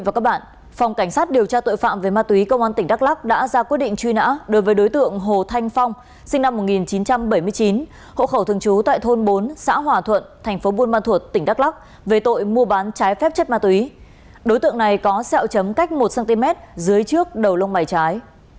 về tội tàng trữ trái phép chất ma túy công an huyện buôn đôn tỉnh đắk lắc đã ra quyết định truy nã đối với đối tượng trần đức tường sinh năm một nghìn chín trăm sáu mươi tám hộ khẩu thường trú tại tổ dân phố một mươi phường tân thành thành phố buôn ma thuột tỉnh đắk lắc cao một m sáu mươi tám và có xẹo chấm cách một cm trên sau cánh mũi phải